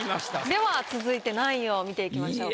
では続いて何位を見ていきましょうか？